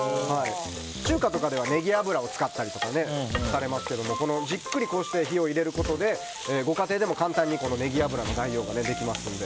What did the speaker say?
中華とかではネギ油を使ったりとかされますけどじっくりこうして火を入れることでご家庭でも簡単にネギ油の代用ができますので。